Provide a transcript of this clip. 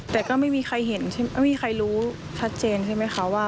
แต่ก็ไม่มีใครเห็นไม่มีใครรู้ชัดเจนใช่ไหมคะว่า